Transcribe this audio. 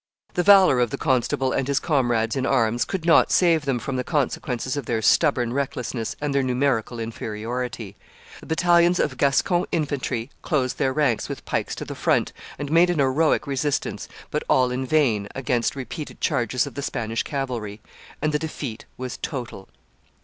The valor of the constable and his comrades in arms could not save them from the consequences of their stubborn recklessness and their numerical inferiority; the battalions of Gascon infantry closed their ranks, with pikes to the front, and made an heroic resistance, but all in vain, against repeated charges of the Spanish cavalry: and the defeat was total.